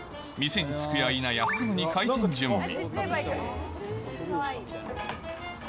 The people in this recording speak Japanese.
店に着くやいなや、すぐに開店準備。